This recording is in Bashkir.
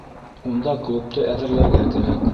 Унда клубты әҙерләргә кәрәк.